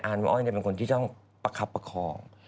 อารมณ์อ้อยเนี่ยเป็นคนที่ต้องประคับประคอง